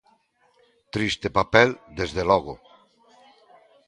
¡Triste papel, desde logo!